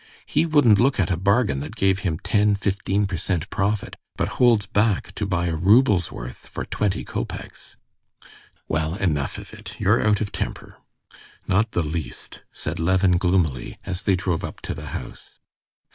He wouldn't look at a bargain that gave him ten, fifteen per cent. profit, but holds back to buy a rouble's worth for twenty kopecks." "Well, enough of it! You're out of temper." "Not the least," said Levin gloomily, as they drove up to the house.